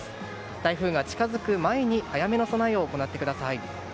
台風が近づく前に早めの備えを行ってください。